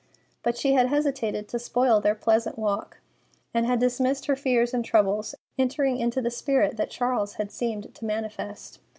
But she had hesitated to spoil their pleasant walk, and had dismissed her fears and troubles, entering into the spirit that Charles had seemed to manifest.